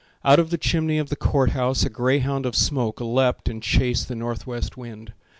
Out of the chimney of the court house A gray hound of smoke leapt and chased The northwest wind.